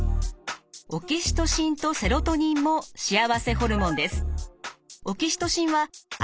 オキシトシンとセロトニンも幸せホルモンです。